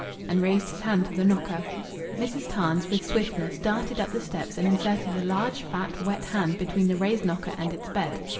And raised his hand to the knocker. Mrs. Tarns with swiftness darted up the steps and inserted a large, fat, wet hand between the raised knocker and its bed.